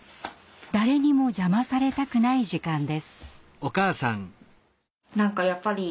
誰にも邪魔されたくない時間です。